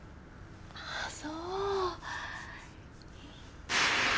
ああそう！